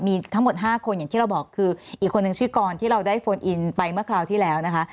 มีทั้งหมด๕คนอย่างที่เราบอกคืออีกคนนึงชื่อกรที่เราได้โฟนอินไปเมื่อคราวที่แล้วนะคะ